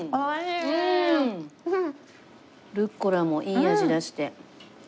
ルッコラもいい味出して。